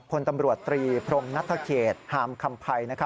คนตำรวจตรีพรงนัทเขตหามคำไพร